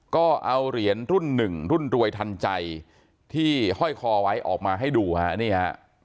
ก็เอาเหรียญรุ่นหนึ่งรุ่นรวยทันใจที่ห้อยคอไว้ออกมาให้ดูฮะนี่ฮะ